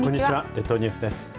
列島ニュースです。